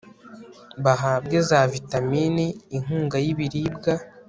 bahabwe za vitamini, inkunga y'ibiribwa